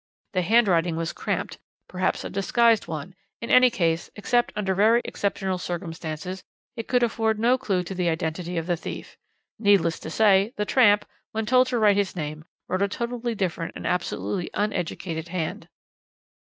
The handwriting was cramped, perhaps a disguised one; in any case, except under very exceptional circumstances, it could afford no clue to the identity of the thief. Needless to say, the tramp, when told to write his name, wrote a totally different and absolutely uneducated hand.